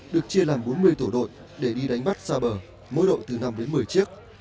được chia làm bốn mươi tổ đội để đi đánh bắt xa bờ mỗi đội từ năm đến một mươi chiếc